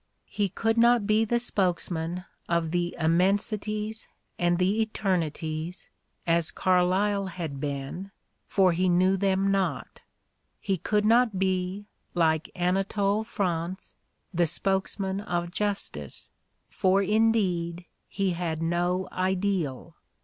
He could not be the spokesman of the immensities and the eternities, as Carlyle had been, for he knew them not; he could not be, like Anatole France, the spokesman of justice, for indeed he had no ideal.